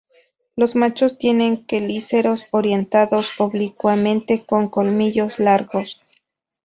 Los machos tienen quelíceros orientados oblicuamente con colmillos largos.